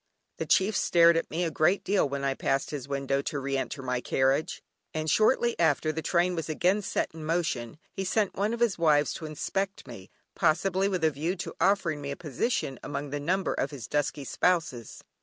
The chief stared at me a great deal when I passed his window to re enter my carriage, and shortly after the train was again set in motion he sent one of his wives to inspect me, possibly with a view to offering me a position among the number of his dusky spouses.